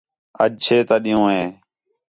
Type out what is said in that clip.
آج چھے تا ݙِینہوں ہے